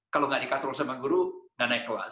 kalau tidak dikonsultasi oleh guru tidak naik kelas